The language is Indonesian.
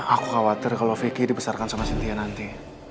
aku khawatir kalau vicky dibesarkan sama cynthia nanti